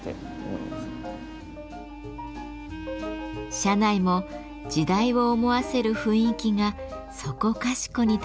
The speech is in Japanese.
車内も時代を思わせる雰囲気がそこかしこに漂います。